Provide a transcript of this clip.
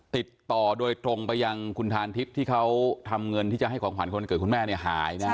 ติดต่อโดยตรงไปยังคุณทานทิพย์ที่เขาทำเงินที่จะให้ของขวัญวันเกิดคุณแม่เนี่ยหายนะฮะ